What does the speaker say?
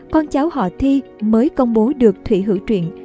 con cháu họ thi mới công bố được thủy hữu truyện